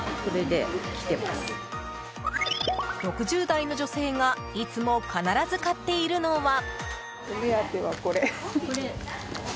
６０代の女性がいつも必ず買っているのは。